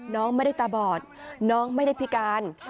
น้องไม่ได้ตาบอดน้องไม่ได้พิการ